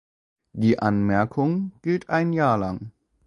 Die Anmerkung gilt ein Jahr lang.